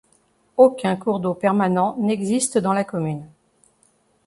Aucun cours d'eau permanent n'existe dans la commune.